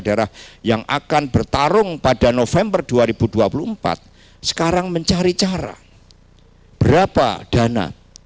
daerah yang akan bertarung pada november dua ribu dua puluh empat sekarang mencari cara berapa dana